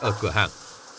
ở cửa hàng